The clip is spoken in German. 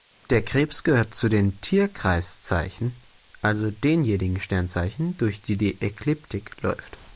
Der Krebs gehört zu den Tierkreiszeichen, also denjenigen Sternzeichen, durch die die Ekliptik läuft.